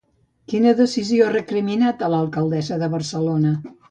Quina decisió ha recriminat a l'alcaldessa de Barcelona?